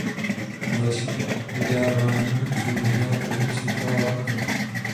Další vydávání znemožnila první světová válka.